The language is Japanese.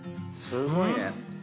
すごいね。